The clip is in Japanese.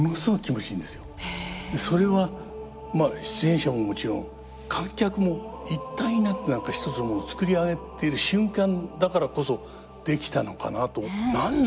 それは出演者ももちろん観客も一体になって何か一つのものを作り上げている瞬間だからこそできたのかなと。